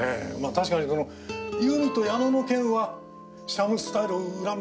確かにその由美と矢野の件はシャムスタイルを恨む